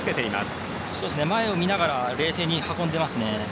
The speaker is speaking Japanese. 前を見ながら冷静に運んでいます。